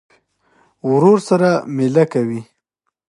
ورور سره مېله کوې.